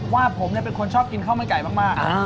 ว่าผมเนี่ยเป็นคนชอบกินข้าวมันไก่มาก